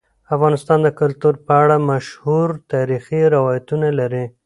افغانستان د کلتور په اړه مشهور تاریخی روایتونه لري.